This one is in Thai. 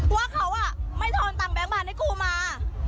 ว่าเขาอ่ะไม่ทนตั้งแบงค์บาทให้กูมา